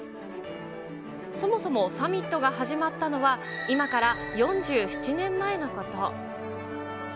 そもそもサミットが始まったのは、今から４７年前のこと。